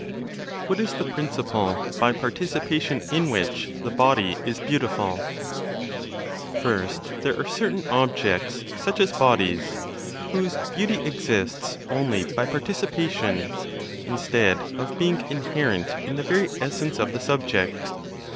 WHAT IS THE PRINCIPLE BY PARTICIPATION IN WHICH THE BODY IS BEAUTIFUL? First, there are certain objects, such as bodies, whose beauty exists only by participation, instead of being inherent in the very essence of the subject.